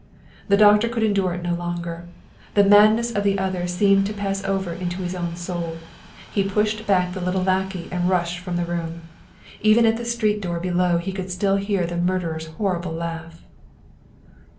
The doctor could endure it no longer. The madness of the other seemed to pass over into his own soul. He pushed back the little lackey and rushed from the room. Even at the street door below he could still hear the murderer's horrible laugh.